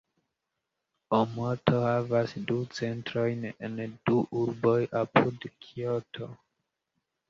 Oomoto havas du centrojn en du urboj apud Kioto.